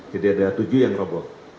jadi ada tujuh yang robo